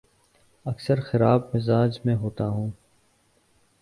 اکثر خراب مزاج میں ہوتا ہوں